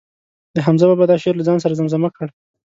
د حمزه بابا دا شعر له ځان سره زمزمه کړ.